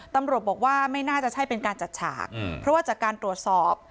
ตำรวจบอกว่าไม่น่าจะใช่เป็นการจัดฉากเพราะว่าจากการตรวจสอบ